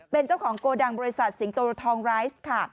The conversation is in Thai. เป็นเจ้าของโกดังบริษัทสิงโตทองไรซ์ค่ะ